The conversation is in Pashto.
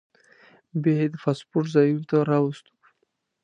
بیا یې د پاسپورټ ځایونو ته راوستو.